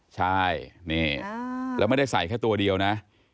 ใช่นี่แล้วไม่ได้ใส่แค่ตัวเดียวนะ